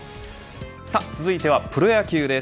続いてはプロ野球です。